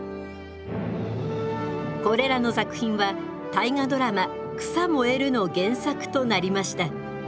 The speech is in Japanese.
これらの作品は大河ドラマ「草燃える」の原作となりました。